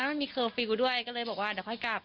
วันนั้นมันมีโครวฟิลคนด้วยก็เลยกลับว่าเดี๋ยวเราจะกลับ